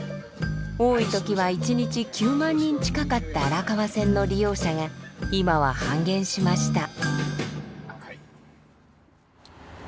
多い時は一日９万人近かった荒川線の利用者が今は半減しました。